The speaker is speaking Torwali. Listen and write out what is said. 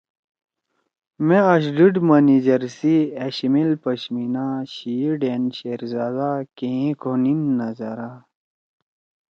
مأ آج ڈیِڑ منیجر سی أشیمیل پشمینا شیئےڈأن شیرزادہ کینگھے کونیِن نذرا